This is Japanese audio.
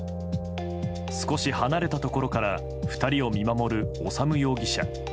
少し離れたところから２人を見守る修容疑者。